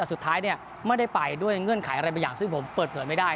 แต่สุดท้ายไม่ได้ไปด้วยเงื่อนไขอะไรบางอย่างซึ่งผมเปิดเผยไม่ได้